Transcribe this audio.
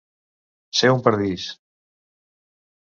Ser un perdis.